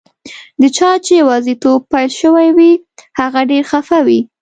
د چا چي یوازیتوب پیل شوی وي، هغه ډېر خفه وي.